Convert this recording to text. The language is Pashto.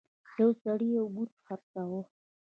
یو سړي یو بت خرڅاوه.